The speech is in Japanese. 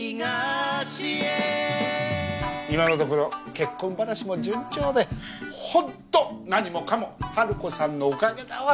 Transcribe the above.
今のところ結婚話も順調でホント何もかもハルコさんのおかげだわ。